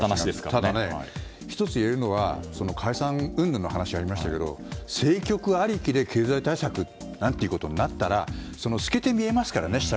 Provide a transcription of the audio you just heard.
ただね、１つ言えるのが解散うんぬんの話ありましたけど政局ありきで経済対策なんてことになったら透けて見えますからね。